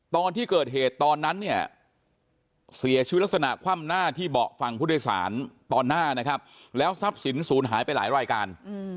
ตอนที่เกิดเหตุตอนนั้นเนี่ยเสียชีวิตลักษณะคว่ำหน้าที่เบาะฝั่งผู้โดยสารตอนหน้านะครับแล้วทรัพย์สินศูนย์หายไปหลายรายการ